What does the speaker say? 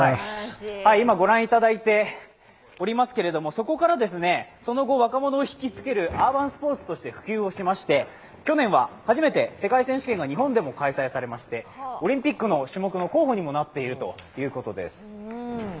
今、ご覧いただいておりますけども、そこから、その後若者を引きつけるアーバンスポーツとして普及しまして、去年は初めて世界選手権が日本でも開催されましてオリンピックの種目の候補にもなっているということです。